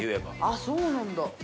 あそうなんだ。